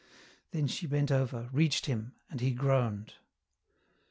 Then she bent over, reached him, and he groaned.